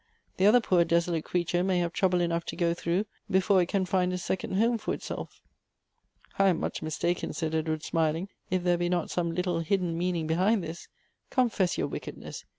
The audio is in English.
The other poor, desolate creature may have trouble enough to go through before it can find a second home for itself." "I am much mistaken," said Edward smiling, "if there be not some little arriere pensee behind this. Confess your wickedness